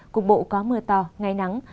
cục bộ có mưa to ngày nắng